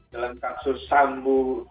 dalam kasus sambu